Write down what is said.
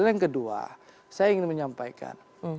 yang kedua saya ingin menyampaikan